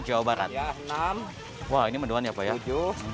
jawa barat enam tujuh delapan delapan dua puluh